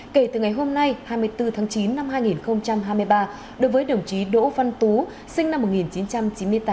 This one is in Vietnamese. kể từ ngày hôm nay hai mươi bốn tháng chín năm hai nghìn hai mươi ba đối với đồng chí đỗ văn tú sinh năm một nghìn chín trăm chín mươi tám